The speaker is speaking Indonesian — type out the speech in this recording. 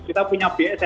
kita punya bss